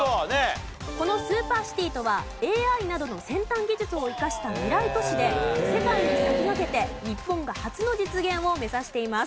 このスーパーシティとはＡＩなどの先端技術を生かした未来都市で世界に先駆けて日本が初の実現を目指しています。